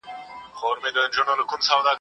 د بنو قُريظه غزا.